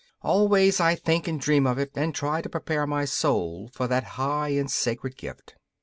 Always I think and dream of it and try to prepare my soul for that high and sacred gift.